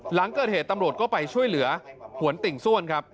หลังเกิดเหตุตำรวจก็ไปช่วยเหลือหวนติ่งซ่วนครับ